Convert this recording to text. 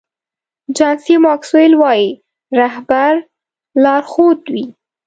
جان سي ماکسویل وایي رهبر لارښود وي.